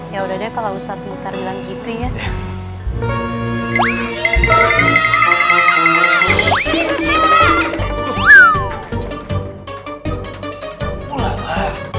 ya udah deh kalau ustadz pintar bilang gitu ya